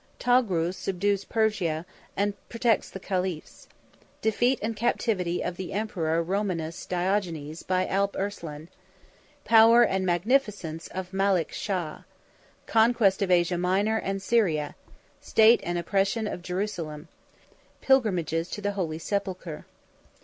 —Togrul Subdues Persia, And Protects The Caliphs.—Defeat And Captivity Of The Emperor Romanus Diogenes By Alp Arslan.—Power And Magnificence Of Malek Shah.—Conquest Of Asia Minor And Syria.—State And Oppression Of Jerusalem.—Pilgrimages To The Holy Sepulchre.